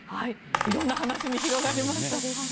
色んな話につながりました。